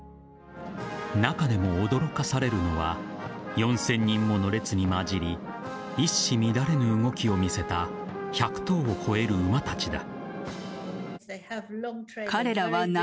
中でも驚かされるのは４０００人もの列に交じり一糸乱れぬ動きを見せた１００頭を超える馬たちだ。